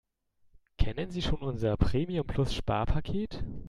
Kennen Sie schon unser Premium-Plus-Sparpaket?